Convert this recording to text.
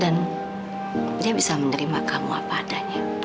dan dia bisa menerima kamu apa adanya